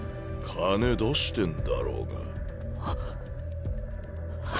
金出してんだろうが。